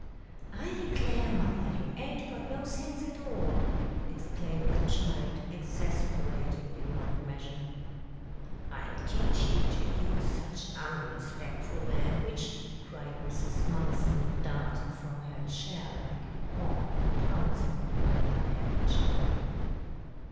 "I declare, mother, you aint got no sense at all!" exclaimed the child, exasperated beyond measure. "I'll teach you to use such unrerspectful language!" cried Mrs. Mumpson, darting from her chair like a hawk and pouncing upon the unhappy child.